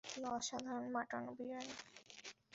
কী অসাধারণ মাটন বিরিয়ানি!